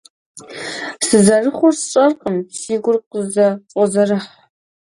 Сызэрыхъур сщӀэркъым, си гур къызэфӀозэрыхь.